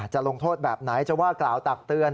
จะลงโทษแบบไหนจะว่ากล่าวตักเตือน